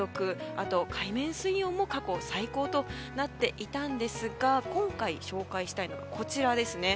あとは海面水温も過去最高となっていましたが今回紹介したいのがこちら